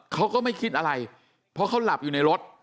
เขาก็ไม่คิดอะไรเพราะเขาหลับอยู่ในรถ